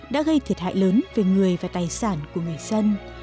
đã gây thiệt hại lớn về người và tài sản của người dân